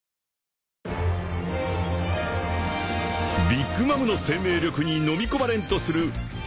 ［ビッグ・マムの生命力にのみ込まれんとするキッドとロー］